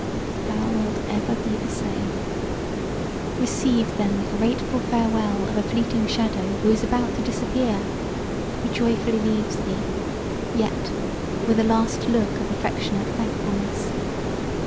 "Thou wilt ever be the same. Recieve then the grateful farewell of a fleeting shadow who is about to disappear, who joyfully leaves thee, yet with a last look of affectionate thankfulness.